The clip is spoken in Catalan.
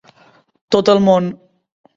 Tot el món.